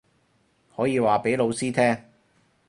可以話畀老師聽